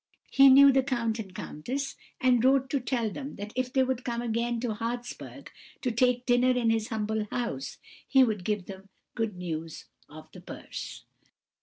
He knew the count and countess, and wrote to them to tell them that if they would come again to Hartsberg and take dinner in his humble house, he would give them good news of the purse.